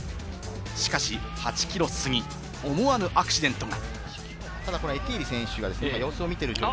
しかし、８ｋｍ過ぎ、思わぬアクシデントが。